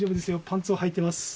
パンツをはいてます。